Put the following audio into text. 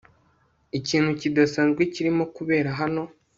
Ikintu kidasanzwe kirimo kubera hano